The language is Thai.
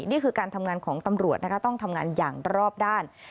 นี่คือการทำงานของตำรวจนะคะต้องทำงานอย่างรอบด้าน